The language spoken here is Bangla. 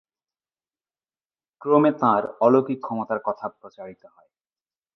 ক্রমে তাঁর অলৌকিক ক্ষমতার কথা প্রচারিত হয়।